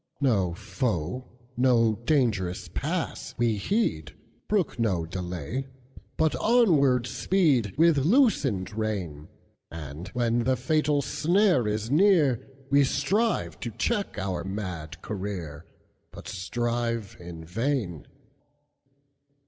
No foe, no dangerous pass, we heed, Brook no delay, but onward speedWith loosened rein; And, when the fatal snare is near, We strive to check our mad career, But strive in vain.